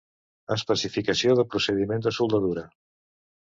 Especificació de procediment de soldadura